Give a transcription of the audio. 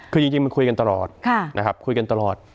คือจริงมันคุยกันตลอด